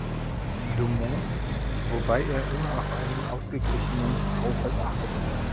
Dumont, wobei er immer auf einen ausgeglichenen Haushalt achtete.